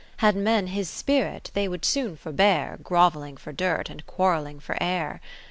40 Had men his spirit, they would soon forbear Grovelling for dirt, and quarrelling for air.